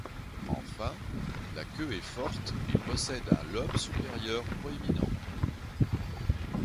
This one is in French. Enfin, la queue est forte et possède un lobe supérieur proéminent.